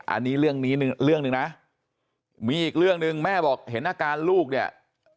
อันนี้เรื่องนี้เรื่องหนึ่งนะมีอีกเรื่องหนึ่งแม่บอกเห็นอาการลูกเนี่ย